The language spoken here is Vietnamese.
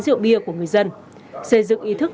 rượu bia của người dân xây dựng ý thức